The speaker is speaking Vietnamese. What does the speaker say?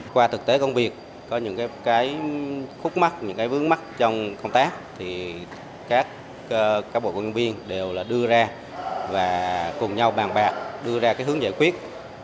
qua thực tế công việc có những cái khúc mắt những cái vướng mắt trong công tác thì các cán bộ quân viên đều là đưa ra và cùng nhau bàn bạc đưa ra cái hướng giải quyết